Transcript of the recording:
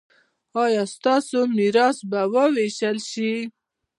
ایا ستاسو میراث به ویشل شي؟